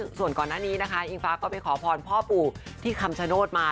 ส่วนก่อนหน้านี้นะคะอิงฟ้าก็ไปขอพรพ่อปู่ที่คำชโนธมา